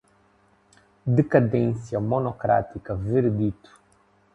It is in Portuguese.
decadência, monocrática, veredito